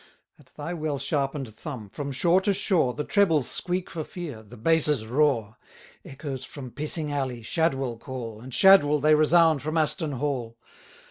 At thy well sharpen'd thumb, from shore to shore The trebles squeak for fear, the basses roar: Echoes from Pissing Alley, Shadwell call, And Shadwell they resound from Aston Hall.